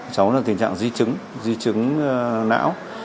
cháu là tình trạng di chứng di chứng não